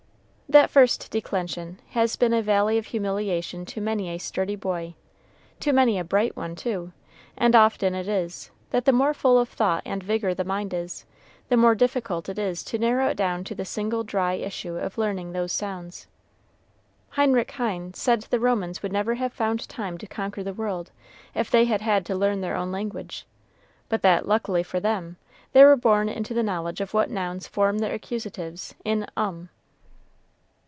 That first declension has been a valley of humiliation to many a sturdy boy to many a bright one, too; and often it is, that the more full of thought and vigor the mind is, the more difficult it is to narrow it down to the single dry issue of learning those sounds. Heinrich Heine said the Romans would never have found time to conquer the world, if they had had to learn their own language; but that, luckily for them, they were born into the knowledge of what nouns form their accusatives in "um."